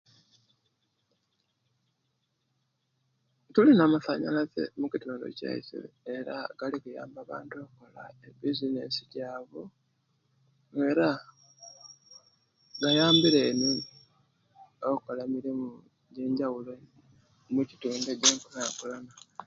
Tulina amasanyalaze omu'kitundu kyaife era gayamba abantu abalina bizinesi gyabu era gayambire ino okukula emirimo ejenjabuwulo omukintu ekikulakulana.